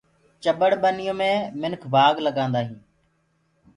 چٻڙ ڀنيو مي منک بآگ لگآندآ هينٚ۔